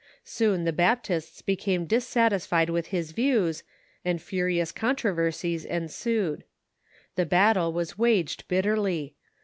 Soon the Baptists became dissatisfied with his view^s, and furious con troversies ensued. The battle was waged bitterly.